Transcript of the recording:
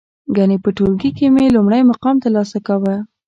گني په ټولگي کې مې لومړی مقام ترلاسه کاوه.